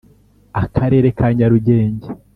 akarere ka nyarugenge